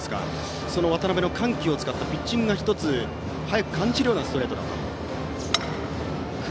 渡辺の緩急を使ったピッチングが速く感じるようなストレートだと。